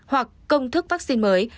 hoặc công thức vaccine mới